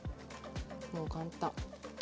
もう簡単。